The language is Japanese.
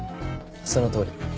そのとおり。